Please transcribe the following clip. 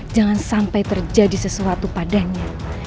jangan sampai terjadi sesuatu padanya